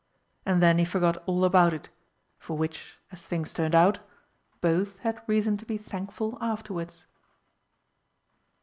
And then he forgot all about it, for which, as things turned out, both had reason to be thankful afterwards.